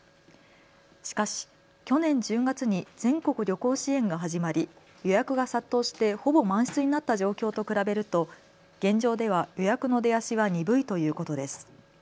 しかし去年１０月に全国旅行支援が始まり予約が殺到してほぼ満室になった状況と比べると現場では予約の出足は鈍いということです。